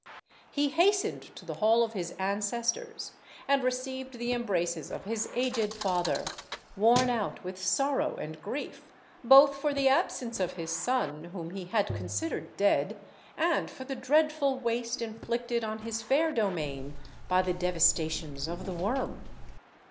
He hastened to the hall of his ancestors, and received the embraces of his aged father, worn out with sorrow and grief, both for the absence of his son, whom he had considered dead, and for the dreadful waste inflicted on his fair domain by the devastations of the worm.